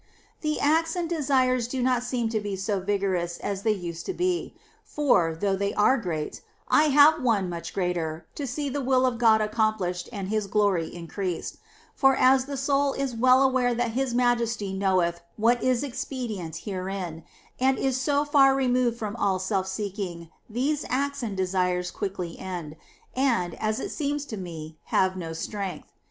^ 5. The acts and desires do not seem to be so vigorous as they used to be, for, though they are great, I have one much greater to see the will of God accomplished and His glory increased ; for as the soul is well aware that His Majesty knoweth what is expedient herein, and is so far removed from all self seeking, these acts and desires quickly end, and, as it seems to me, have no strength.